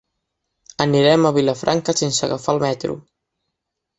Anirem a Vilafranca sense agafar el metro.